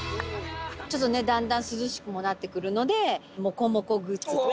ちょっとね、だんだん涼しくもなってくるので、モコモコグッズ。